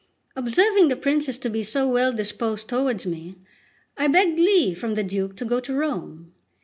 Observing the princes to be so well disposed towards me, I begged leave from the Duke to go to Rome.